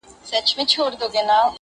كيسې هېري سوې د زهرو د خوړلو-